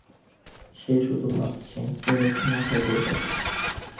সে শুধুভাবছে, এই লোকটির মাথায় দোষ আছে।